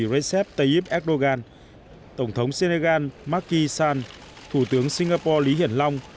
recep tayyip erdogan tổng thống senegal marki san thủ tướng singapore lý hiển long